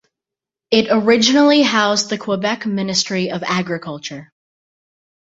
It originally housed the Quebec Ministry of Agriculture.